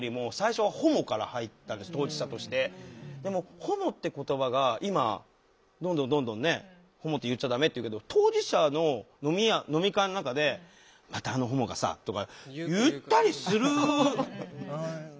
でも「ホモ」って言葉が今どんどんどんどんホモって言っちゃダメって言うけど当事者の飲み会の中で「またあのホモがさ」とか言ったりする。